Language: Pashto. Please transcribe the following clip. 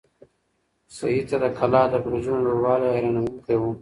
سعید ته د کلا د برجونو لوړوالی حیرانونکی و.